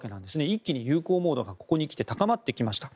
一気に友好ムードがここに来て高まってきました。